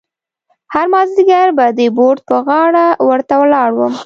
هر مازیګر به د بورد پر غاړه ورته ولاړ وم.